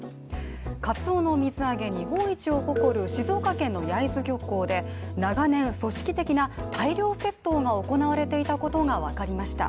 カツオの水揚げ日本一を誇る静岡県の焼津漁港で長年組織的な大量窃盗が行われていたことがわかりました。